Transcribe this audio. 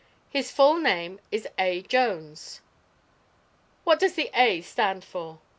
"His full name is A. Jones." "What does the 'A' stand for?"